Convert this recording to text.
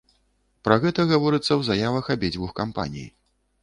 Пра гэта гаворыцца ў заявах абедзвюх кампаній.